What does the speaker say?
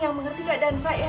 yang mengerti keadaan saya